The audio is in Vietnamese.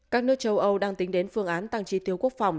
các nước châu âu đang tính đến phương án tăng tri tiêu quốc phòng